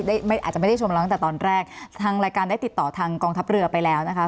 ไม่อาจจะไม่ได้ชมเราตั้งแต่ตอนแรกทางรายการได้ติดต่อทางกองทัพเรือไปแล้วนะคะ